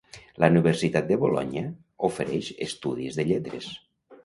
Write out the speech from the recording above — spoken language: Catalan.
La Universitat de Bolonya ofereix estudis de lletres.